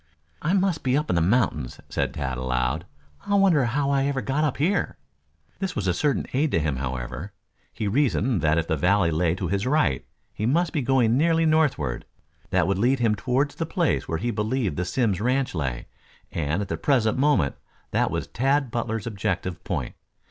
"I must be up in the mountains," said Tad aloud. "I wonder how I ever got up here." This was a certain aid to him, however. He reasoned that if the valley lay to his right, he must be going nearly northward. That would lead him toward the place where he believed the Simms ranch lay, and at the present moment that was Tad Butler's objective point.